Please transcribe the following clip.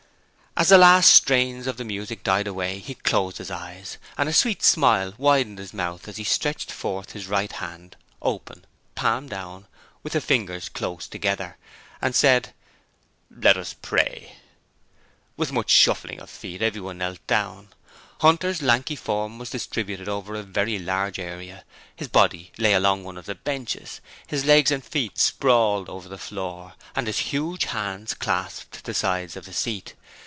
As the last strains of the music died away, he closed his eyes and a sweet smile widened his mouth as he stretched forth his right hand, open, palm down, with the fingers close together, and said: 'Let us pray.' With much shuffling of feet everyone knelt down. Hunter's lanky form was distributed over a very large area; his body lay along one of the benches, his legs and feet sprawled over the floor, and his huge hands clasped the sides of the seat.